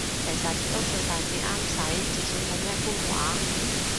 其實都叫大致啱使，至少冇乜官話